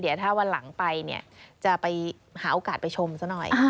เดี๋ยวถ้าวันหลังไปเนี่ยจะไปหาโอกาสไปชมซะหน่อย